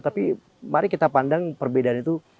tapi mari kita pandang perbedaan itu